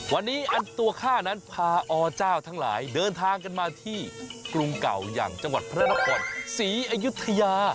วันนี้อันตัวข้านั้นพาอเจ้าทั้งหลายเดินทางกันมาที่กรุงเก่าอย่างจังหวัดพระนครศรีอยุธยา